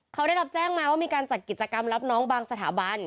เขาได้รับแจ้งมาว่ามีการจัดกิจกรรมรับน้องบางสถาบัน